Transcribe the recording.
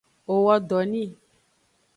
O wo do ni.